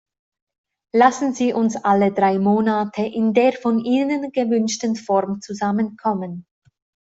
Lassen Sie uns alle drei Monate, in der von Ihnen gewünschten Form zusammenkommen.